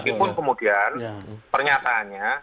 meskipun kemudian pernyataannya